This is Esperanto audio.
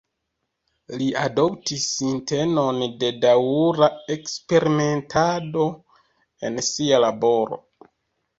Li adoptis sintenon de daŭra eksperimentado en sia laboro.